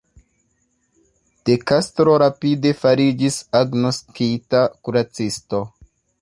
De Castro rapide fariĝis agnoskita kuracisto.